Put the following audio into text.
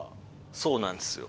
そうなんですよ。